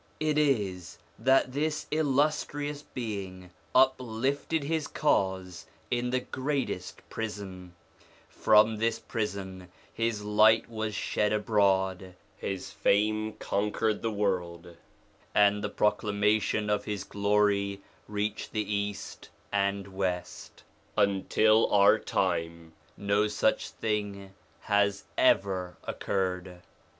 It is that this illustrious Being uplifted his Cause in the ' Greatest Prison '; 2 from this Prison his light was shed abroad; his fame 1 Baha'u'llah. 2 Acca. 43 44 SOME ANSWERED QUESTIONS conquered the world; and the proclamation of his glory reached the East and West : until our time no such thing has ever occurred.